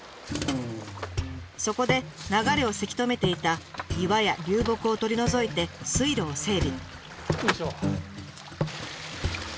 そこで流れをせき止めていた岩や流木を取り除いて水路を整備。